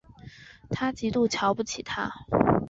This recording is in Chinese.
她极度瞧不起他